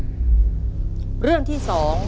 ถ้าพร้อมแล้วเรามาดูคำถามทั้ง๕เรื่องพร้อมกันเลยครับ